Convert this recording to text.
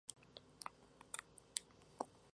Su trayectoria como entrenador no fue menos larga.